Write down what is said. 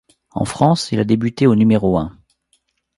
En France, il a débuté au numéro un.